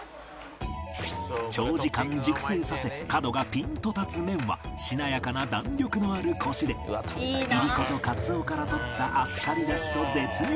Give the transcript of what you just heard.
長時間熟成させ角がピンと立つ麺はしなやかな弾力のあるコシでいりことカツオから取ったあっさり出汁と絶妙にマッチ